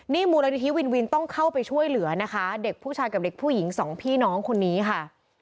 มูลนิธิวินวินต้องเข้าไปช่วยเหลือนะคะเด็กผู้ชายกับเด็กผู้หญิงสองพี่น้องคนนี้ค่ะ